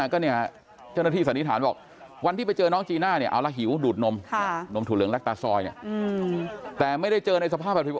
เจ้าหน้าที่สันนิษฐานบอกวันที่ไปเจอน้องจีน่าเอาละหิวดูดนมนมถูเหลืองแลกตาซอย